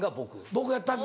僕やったんで。